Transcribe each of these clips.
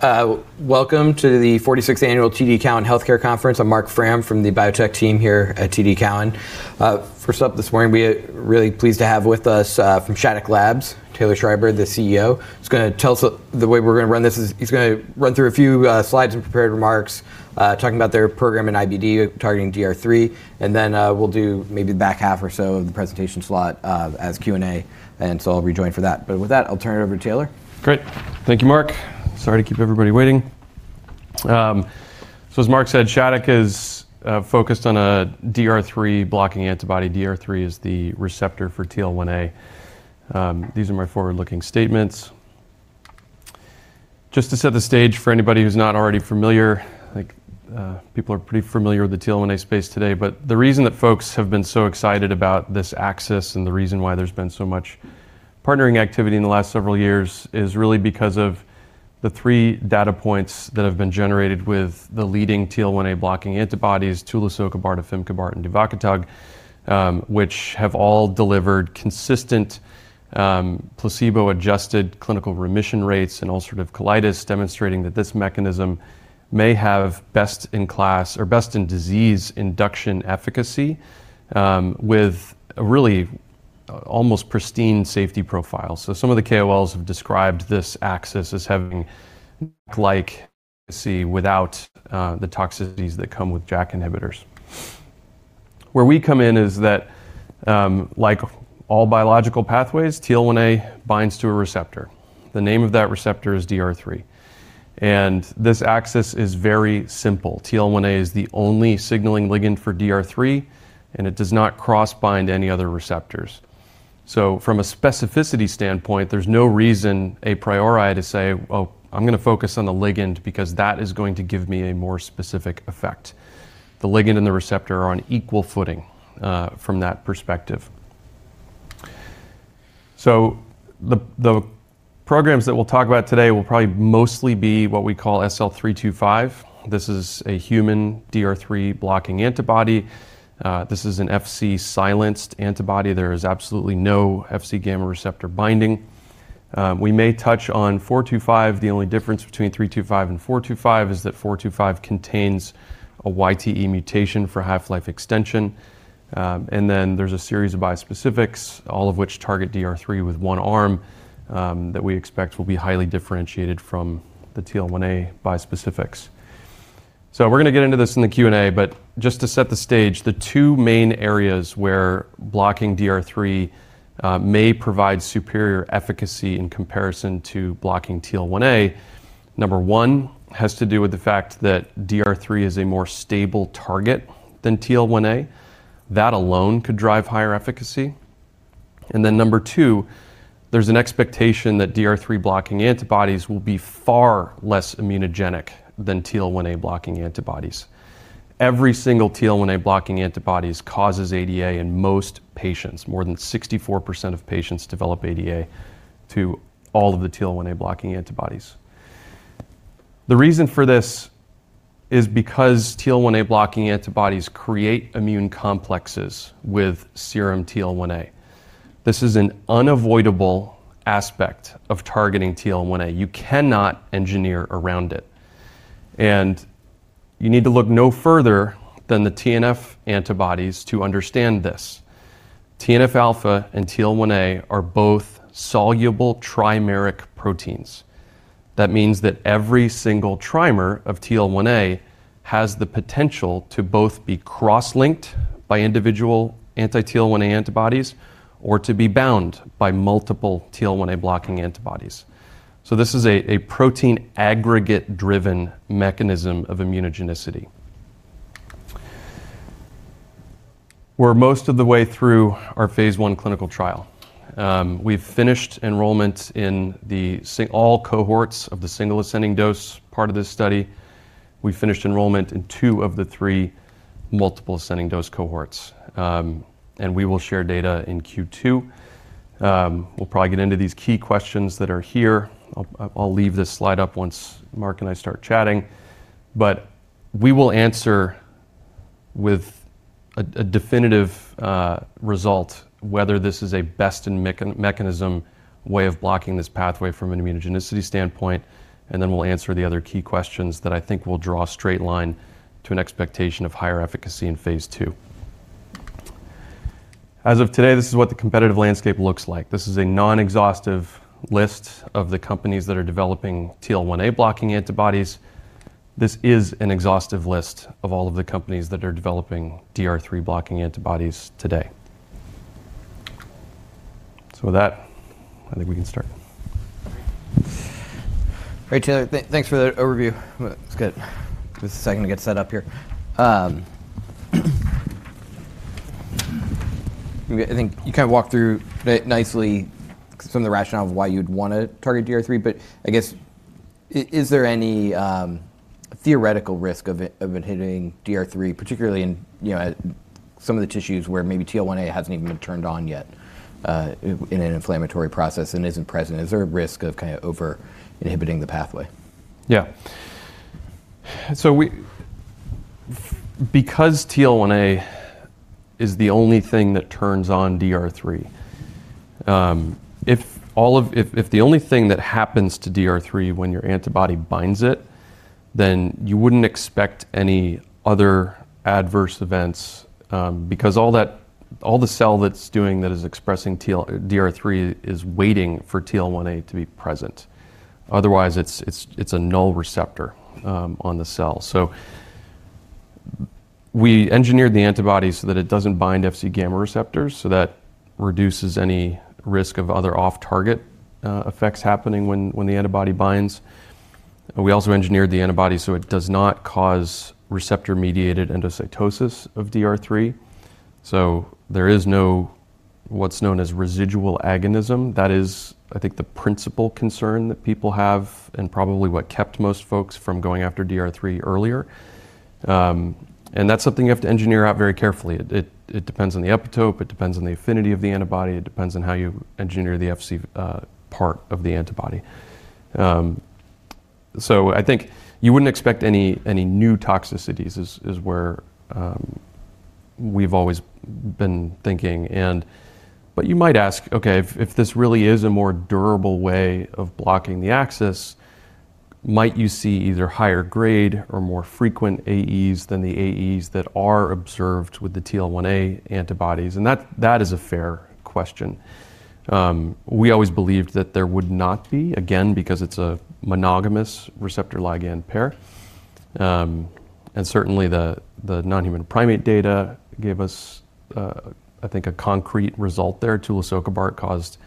Welcome to the 46th Annual TD Cowen Healthcare Conference. I'm Marc Frahm from the Biotech Team here at TD Cowen. First up this morning, we are really pleased to have with us from Shattuck Labs, Taylor Schreiber, the CEO. He's gonna tell us. The way we're gonna run this is he's gonna run through a few slides and prepared remarks, talking about their program in IBD, targeting DR3. Then we'll do maybe the back half or so of the presentation slot as Q&A. I'll rejoin for that. With that, I'll turn it over to Taylor. Great. Thank you, Marc. Sorry to keep everybody waiting. As Marc said, Shattuck is focused on a DR3 blocking antibody. DR3 is the receptor for TL1A. These are my forward-looking statements. Just to set the stage for anybody who's not already familiar, I think people are pretty familiar with the TL1A space today, the reason that folks have been so excited about this axis and the reason why there's been so much partnering activity in the last several years is really because of the three data points that have been generated with the leading TL1A blocking antibodies, tulisokibart, afimkibart, and duvakitug, which have all delivered consistent placebo-adjusted clinical remission rates in ulcerative colitis, demonstrating that this mechanism may have best-in-class or best-in-disease induction efficacy with a really almost pristine safety profile. Some of the KOLs have described this axis as having, like, see without the toxicities that come with JAK inhibitors. Where we come in is that, like all biological pathways, TL1A binds to a receptor. The name of that receptor is DR3. This axis is very simple. TL1A is the only signaling ligand for DR3, and it does not cross-bind any other receptors. From a specificity standpoint, there's no reason a priori to say, "Well, I'm gonna focus on the ligand because that is going to give me a more specific effect." The ligand and the receptor are on equal footing from that perspective. The programs that we'll talk about today will probably mostly be what we call SL-325. This is a human DR3 blocking antibody. This is an Fc-silenced antibody. There is absolutely no Fc gamma receptor binding. We may touch on SL-425. The only difference between SL-325 and SL-425 is that SL-425 contains a YTE mutation for half-life extension. Then there's a series of bispecifics, all of which target DR3 with 1 arm that we expect will be highly differentiated from the TL1A bispecifics. We're gonna get into this in the Q&A, but just to set the stage, the two main areas where blocking DR3 may provide superior efficacy in comparison to blocking TL1A, 1 has to do with the fact that DR3 is a more stable target than TL1A. Then two, there's an expectation that DR3 blocking antibodies will be far less immunogenic than TL1A blocking antibodies. Every single TL1A blocking antibodies causes ADA in most patients. More than 64% of patients develop ADA to all of the TL1A blocking antibodies. The reason for this is because TL1A blocking antibodies create immune complexes with serum TL1A. This is an unavoidable aspect of targeting TL1A. You cannot engineer around it. You need to look no further than the TNF antibodies to understand this. TNF-α and TL1A are both soluble trimeric proteins. That means that every single trimer of TL1A has the potential to both be cross-linked by individual anti-TL1A antibodies or to be bound by multiple TL1A blocking antibodies. This is a protein aggregate-driven mechanism of immunogenicity. We're most of the way through our phase I clinical trial. We've finished enrollment in all cohorts of the single ascending dose part of this study. We finished enrollment in two of the three multiple ascending dose cohorts. We will share data in Q2. We'll probably get into these key questions that are here. I'll leave this slide up once Marc and I start chatting. We will answer with a definitive result whether this is a best in mechanism way of blocking this pathway from an immunogenicity standpoint, and then we'll answer the other key questions that I think will draw a straight line to an expectation of higher efficacy in phase II. As of today, this is what the competitive landscape looks like. This is a non-exhaustive list of the companies that are developing TL1A blocking antibodies. This is an exhaustive list of all of the companies that are developing DR3 blocking antibodies today. With that, I think we can start. Great. Taylor. Thanks for that overview. It's good. Just a second to get set up here. I think you kind of walked through it nicely some of the rationale of why you'd wanna target DR3, but I guess is there any theoretical risk of it, of inhibiting DR3, particularly in, some of the tissues where maybe TL1A hasn't even been turned on yet, in an inflammatory process and isn't present? Is there a risk of kinda over-inhibiting the pathway? Yeah. Because TL1A is the only thing that turns on DR3, if the only thing that happens to DR3 when your antibody binds it, then you wouldn't expect any other adverse events, because the cell that's doing that is expressing DR3 is waiting for TL1A to be present. Otherwise, it's a null receptor on the cell. We engineered the antibody so that it doesn't bind Fc gamma receptors, so that reduces any risk of other off-target effects happening when the antibody binds. We also engineered the antibody so it does not cause receptor-mediated endocytosis of DR3, so there is no what's known as residual agonism. That is the principal concern that people have and probably what kept most folks from going after DR3 earlier. That's something you have to engineer out very carefully. It depends on the epitope, it depends on the affinity of the antibody, it depends on how you engineer the Fc part of the antibody. I think you wouldn't expect any new toxicities is where we've always been thinking. You might ask, okay, if this really is a more durable way of blocking the axis, might you see either higher grade or more frequent AEs than the AEs that are observed with the TL1A antibodies? That is a fair question. We always believed that there would not be, again, because it's a monogamous receptor ligand pair. And certainly, the non-human primate data gave us, I think, a concrete result there. Tulisokibart caused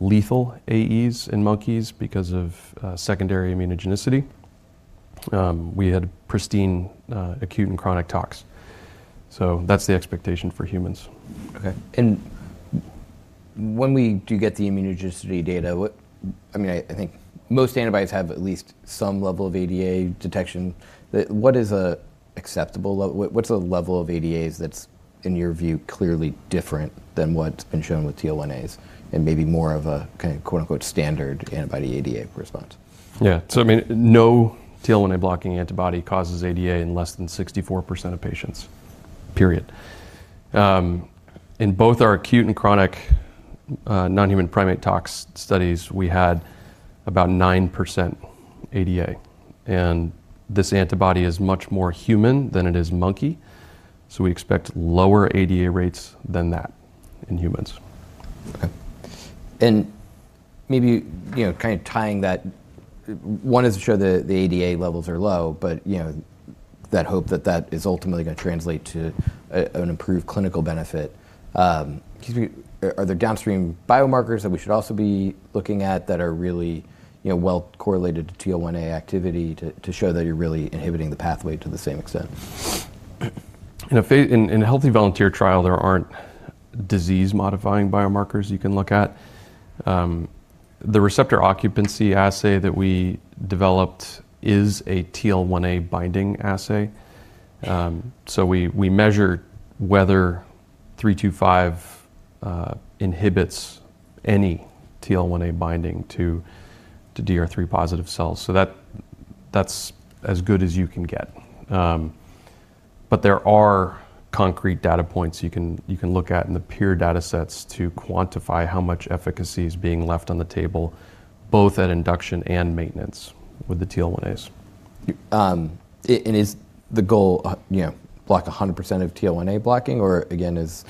lethal AEs in monkeys because of secondary immunogenicity. We had pristine acute and chronic tox. That's the expectation for humans. Okay. When we do get the immunogenicity data, I mean, I think most antibodies have at least some level of ADA detection. What is a acceptable level of ADAs that's, in your view, clearly different than what's been shown with TL1As and maybe more of a kind of quote, unquote, "standard" antibody ADA response? I mean, no TL1A blocking antibody causes ADA in less than 64% of patients, period. In both our acute and chronic non-human primate tox studies, we had about 9% ADA, and this antibody is much more human than it is monkey, so we expect lower ADA rates than that in humans. Okay. Maybe kind of tying that, one is to show the ADA levels are low, but that hope that that is ultimately gonna translate to an improved clinical benefit. Are there downstream biomarkers that we should also be looking at that are really well correlated to TL1A activity to show that you're really inhibiting the pathway to the same extent? In a healthy volunteer trial, there aren't disease-modifying biomarkers you can look at. The receptor occupancy assay that we developed is a TL1A binding assay. We measure whether 325 inhibits any TL1A binding to DR3 positive cells, that's as good as you can get. There are concrete data points you can look at in the peer data sets to quantify how much efficacy is being left on the table, both at induction and maintenance with the TL1As. Is the goal block 100% of TL1A blocking or again is,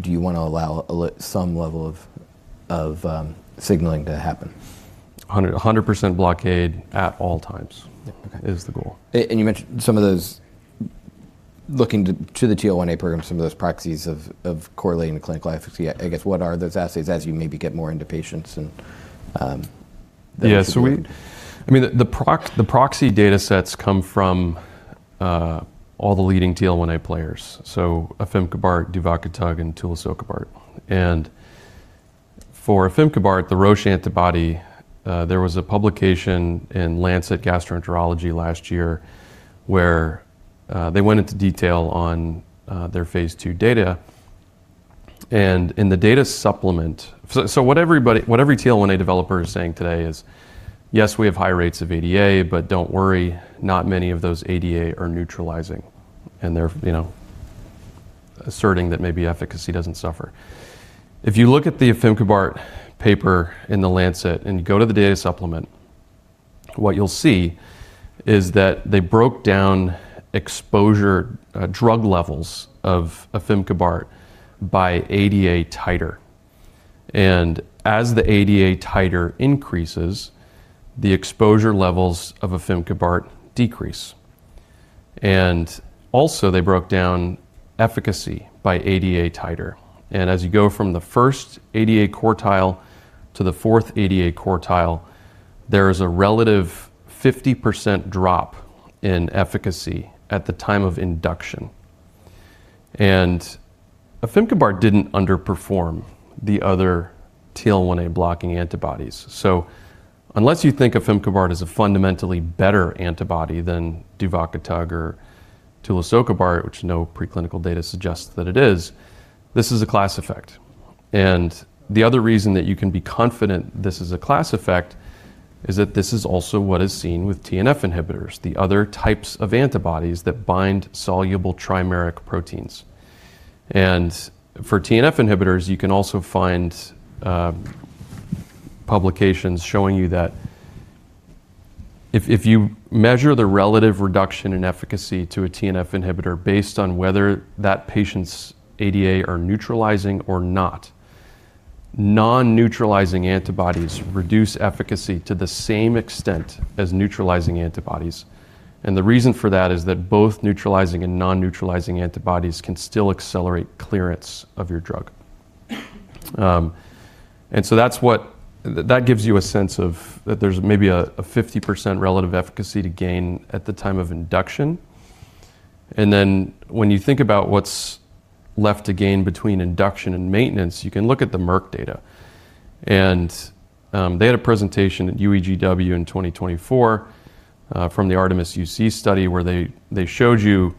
do you wanna allow some level of, signaling to happen? A 100% blockade at all times. Yeah. Okay. It's the goal. You mentioned some of those looking to the TL1A program, some of those proxies of correlating the clinical efficacy. I guess what are those assays as you maybe get more into patients? Yeah. I mean, the proxy data sets come from all the leading TL1A players, afimkibart, duvakitug, and tulisokibart. For afimkibart, the Roche antibody, there was a publication in The Lancet Gastroenterology last year where they went into detail on their phase II data, and in the data supplement... What everybody, what every TL1A developer is saying today is, "Yes, we have high rates of ADA, don't worry, not many of those ADA are neutralizing." They're asserting that maybe efficacy doesn't suffer. If you look at the afimkibart paper in The Lancet and go to the data supplement, what you'll see is that they broke down exposure, drug levels of afimkibart by ADA titer. Also, they broke down efficacy by ADA titer. As you go from the first ADA quartile to the fourth ADA quartile, there is a relative 50% drop in efficacy at the time of induction. afimkibart didn't underperform the other TL1A blocking antibodies. Unless you think afimkibart is a fundamentally better antibody than duvakitug or tulisokibart, which no preclinical data suggests that it is, this is a class effect. The other reason that you can be confident this is a class effect is that this is also what is seen with TNF inhibitors, the other types of antibodies that bind soluble trimeric proteins. For TNF inhibitors, you can also find publications showing you that if you measure the relative reduction in efficacy to a TNF inhibitor based on whether that patient's ADA are neutralizing or not, non-neutralizing antibodies reduce efficacy to the same extent as neutralizing antibodies. The reason for that is that both neutralizing and non-neutralizing antibodies can still accelerate clearance of your drug. That gives you a sense of that there's maybe a 50% relative efficacy to gain at the time of induction. When you think about what's left to gain between induction and maintenance, you can look at the Merck data. They had a presentation at UEGW in 2024 from the ARTEMIS-UC study where they showed you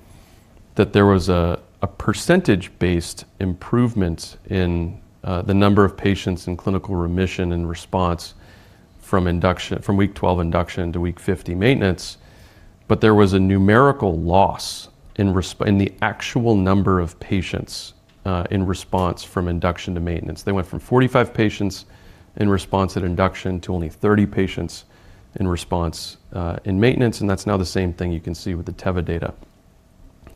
that there was a percentage-based improvement in the number of patients in clinical remission and response from week 12 induction to week 50 maintenance, but there was a numerical loss in the actual number of patients in response from induction to maintenance. They went from 45 patients in response at induction to only 30 patients in response in maintenance. That's now the same thing you can see with the Teva data.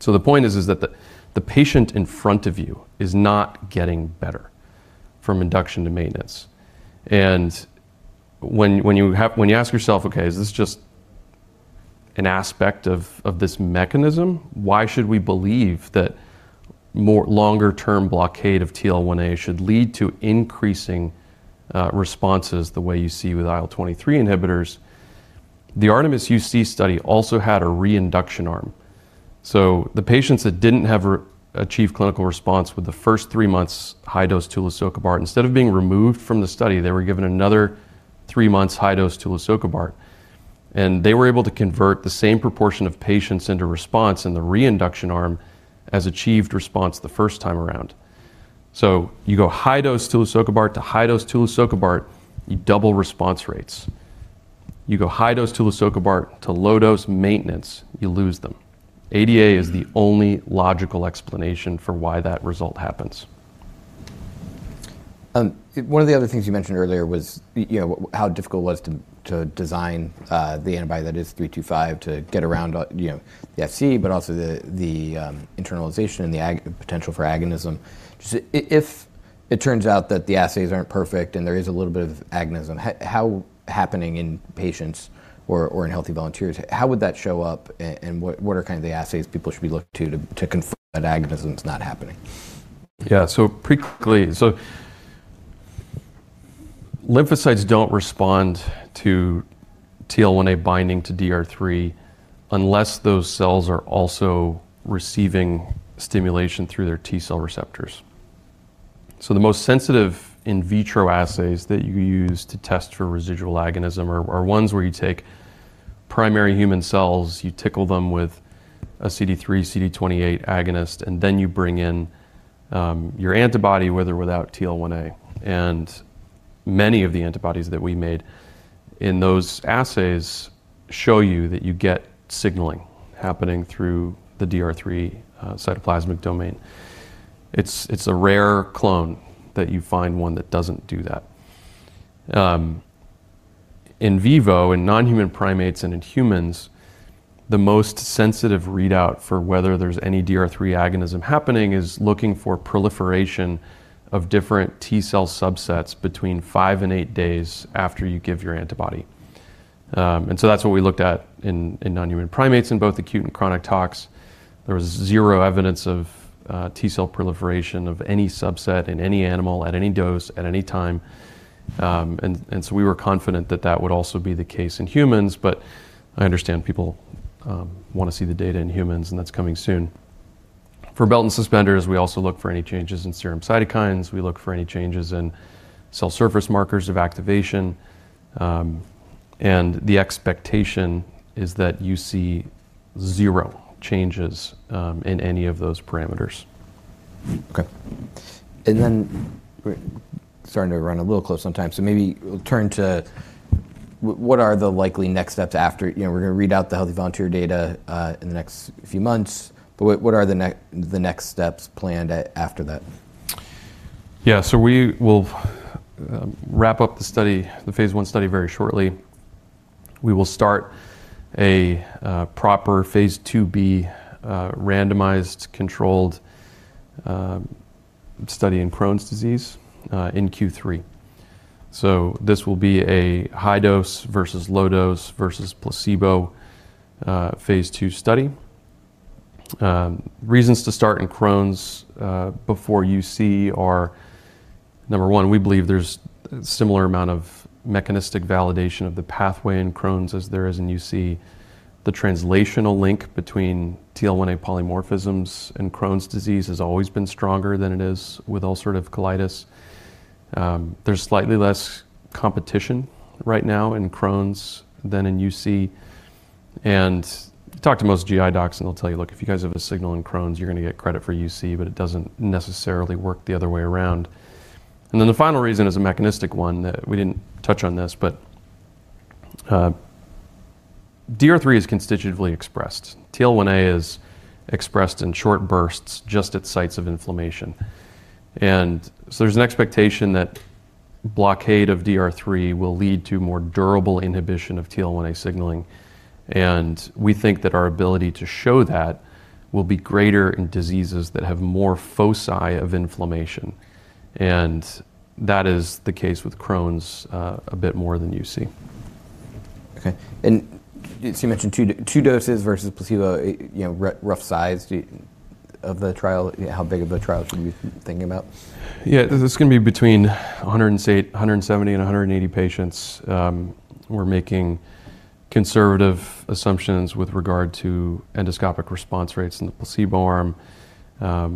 The point is that the patient in front of you is not getting better from induction to maintenance. When you ask yourself, "Okay, is this just an aspect of this mechanism? Why should we believe that more longer term blockade of TL1A should lead to increasing responses the way you see with IL-23 inhibitors?" The ARTEMIS-UC study also had a reinduction arm. The patients that didn't achieve clinical response with the first three months high dose tulisokibart, instead of being removed from the study, they were given another three months high dose tulisokibart. They were able to convert the same proportion of patients into response in the reinduction arm as achieved response the first time around. You go high dose tulisokibart to high dose tulisokibart, you double response rates. You go high dose tulisokibart to low dose maintenance, you lose them. ADA is the only logical explanation for why that result happens. One of the other things you mentioned earlier was, how difficult it was to design the antibody that is SL-325 to get around the Fc, but also the internalization and the potential for agonism. If it turns out that the assays aren't perfect and there is a little bit of agonism happening in patients or in healthy volunteers, how would that show up and what are kind of the assays people should be looking to confirm that agonism's not happening? Yeah. Pretty quickly. Lymphocytes don't respond to TL1A binding to DR3 unless those cells are also receiving stimulation through their T cell receptors. The most sensitive in vitro assays that you use to test for residual agonism are ones where you take primary human cells, you tickle them with a CD3, CD28 agonist, and then you bring in your antibody with or without TL1A. Many of the antibodies that we made in those assays show you that you get signaling happening through the DR3 cytoplasmic domain. It's a rare clone that you find one that doesn't do that. In vivo, in non-human primates and in humans, the most sensitive readout for whether there's any DR3 agonism happening is looking for proliferation of different T cell subsets between five and eight days after you give your antibody. That's what we looked at in non-human primates in both acute and chronic tox. There was zero evidence of T cell proliferation of any subset in any animal at any dose at any time. And so we were confident that that would also be the case in humans, but I understand people wanna see the data in humans, and that's coming soon. For belt and suspenders, we also look for any changes in serum cytokines. We look for any changes in cell surface markers of activation. The expectation is that you see zero changes in any of those parameters. Okay. We're starting to run a little close on time. Maybe we'll turn to what are the likely next steps after? We're gonna read out the healthy volunteer data, in the next few months, but what are the next steps planned after that? Yeah. We will wrap up the study, the phase I study very shortly. We will start a proper phase II-b randomized controlled study in Crohn's disease in Q3. This will be a high dose versus low dose versus placebo phase II study. Reasons to start in Crohn's before UC are, number one, we believe there's similar amount of mechanistic validation of the pathway in Crohn's as there is in UC. The translational link between TL1A polymorphisms in Crohn's disease has always been stronger than it is with ulcerative colitis. There's slightly less competition right now in Crohn's than in UC. Talk to most GI docs and they'll tell you, "Look, if you guys have a signal in Crohn's, you're gonna get credit for UC, but it doesn't necessarily work the other way around." The final reason is a mechanistic one that we didn't touch on this, but DR3 is constitutively expressed. TL1A is expressed in short bursts just at sites of inflammation. There's an expectation that blockade of DR3 will lead to more durable inhibition of TL1A signaling, and we think that our ability to show that will be greater in diseases that have more foci of inflammation. That is the case with Crohn's, a bit more than UC. Okay. So you mentioned two doses versus placebo, rough size of the trial. How big of a trial should we be thinking about? Yeah. This is gonna be between 170 and 180 patients. We're making conservative assumptions with regard to endoscopic response rates in the placebo arm.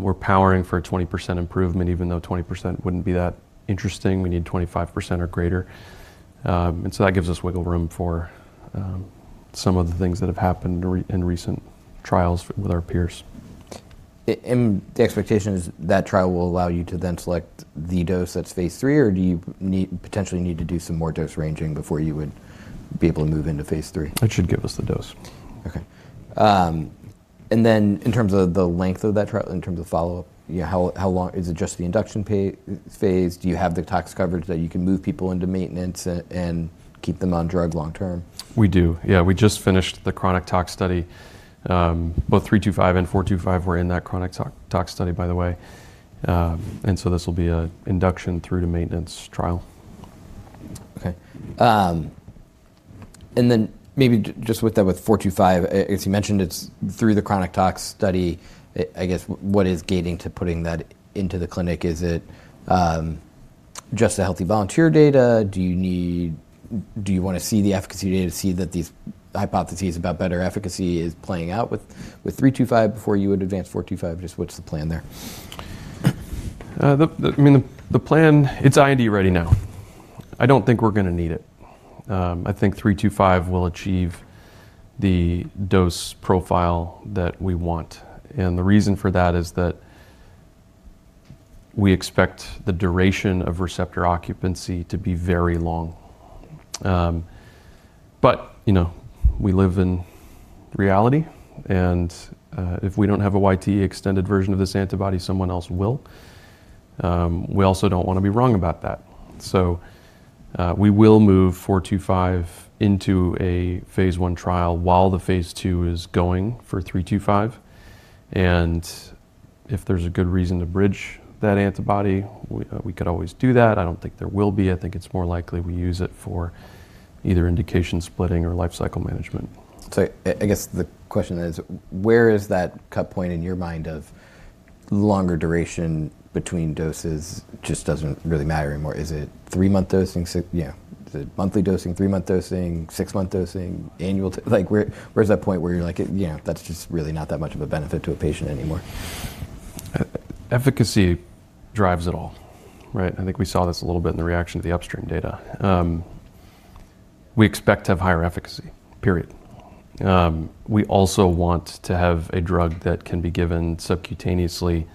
We're powering for a 20% improvement even though 20% wouldn't be that interesting. We need 25% or greater. That gives us wiggle room for some of the things that have happened in recent trials with our peers. The expectation is that trial will allow you to then select the dose that's phase III, or potentially need to do some more dose ranging before you would be able to move into phase III? It should give us the dose. Okay. In terms of the length of that trial, in terms of follow-up, how long? Is it just the induction phase? Do you have the tox coverage that you can move people into maintenance and keep them on drug long term? We do. Yeah. We just finished the chronic tox study. Both 325 and 425 were in that chronic tox study, by the way. This will be a induction through to maintenance trial. Okay. Maybe just with SL-425, as you mentioned, it's through the chronic tox study. I guess, what is gating to putting that into the clinic? Is it, just the healthy volunteer data? Do you wanna see the efficacy data to see that these hypotheses about better efficacy is playing out with SL-325 before you would advance SL-425? Just what's the plan there? I mean, the plan, it's IND ready now. I don't think we're gonna need it. I think three two five will achieve the dose profile that we want. The reason for that is that we expect the duration of receptor occupancy to be very long. We live in reality, and if we don't have a YTE extended version of this antibody, someone else will. We also don't wanna be wrong about that. We will move four two five into a phase I trial while the phase II is going for three two five, and if there's a good reason to bridge that antibody, we could always do that. I don't think there will be. I think it's more likely we use it for either indication splitting or life cycle management. I guess the question is where is that cut point in your mind of longer duration between doses just doesn't really matter anymore? Is it three month dosing? Six. Yeah. Is it monthly dosing, three month dosing, six-month dosing, annual like where is that point where you're like, "Yeah, that's just really not that much of a benefit to a patient anymore? Efficacy drives it all, right? I think we saw this a little bit in the reaction to the Upstream data. We expect to have higher efficacy, period. We also want to have a drug that can be given subcutaneously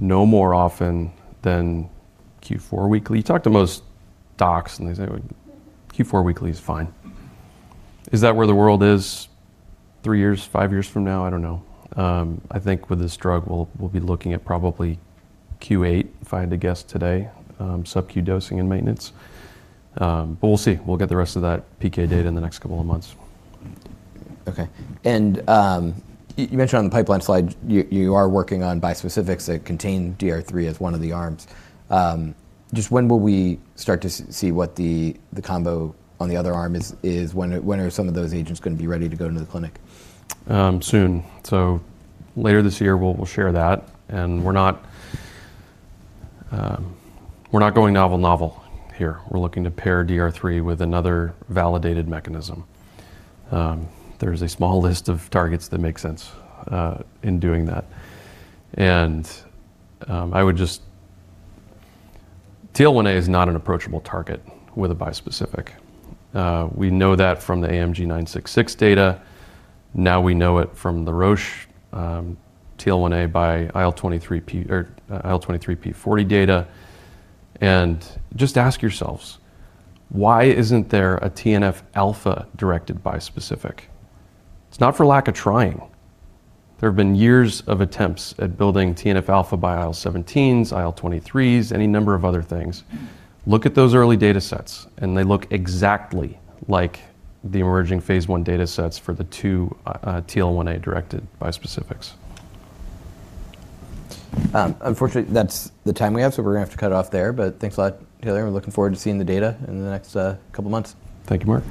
no more often than Q4 weekly. You talk to most docs and they say, "Q4 weekly is fine." Is that where the world is three years, five years from now? I don't know. I think with this drug we'll be looking at probably Q8 if I had to guess today, subcutaneous dosing and maintenance. We'll see. We'll get the rest of that PK data in the next couple of months. Okay. You mentioned on the pipeline slide you are working on bispecifics that contain DR3 as one of the arms. Just when will we start to see what the combo on the other arm is? When are some of those agents gonna be ready to go into the clinic? Soon. Later this year, we'll share that, and we're not going novel here. We're looking to pair DR3 with another validated mechanism. There's a small list of targets that make sense in doing that. TL1A is not an approachable target with a bispecific. We know that from the AMG966 data. Now we know it from the Roche TL1A by IL-23p40 data. Just ask yourselves, why isn't there a TNF-α directed bispecific? It's not for lack of trying. There have been years of attempts at building TNF-α by IL-17s, IL-23s, any number of other things. Look at those early data sets, and they look exactly like the emerging phase I data sets for the two TL1A-directed bispecifics. Unfortunately, that's the time we have. We're gonna have to cut off there. Thanks a lot, Taylor. We're looking forward to seeing the data in the next couple months. Thank you, Marc.